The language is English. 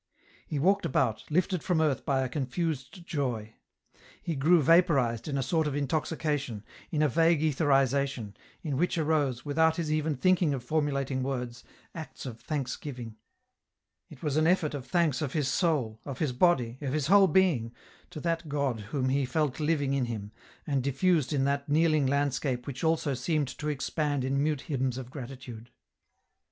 He walked about, lifted from earth by a confused joy. He grew vaporized in a sort of intoxication, in a vague etherization, in which arose, without his even thinking of formulating words, acts of thanksgiving ; it was an effort ot thanks of his soul, of his body, of his whole being, to that God whom he felt living in him, and diffused in that kneeling landscape which also seemed to expand in mute hymns of gratitude.